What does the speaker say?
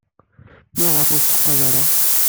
Maɣef ur tetteqqal ara?